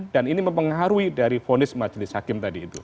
dan ini mempengaruhi dari vonis majelis hakim tadi itu